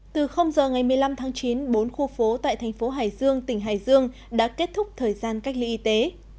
từ giờ ngày một mươi năm tháng chín bốn khu phố tại thành phố hải dương tỉnh hải dương đã kết thúc thời gian cách ly y tế